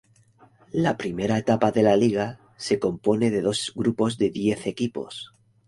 La primera etapa de la liga se compone de dos grupos de diez equipos.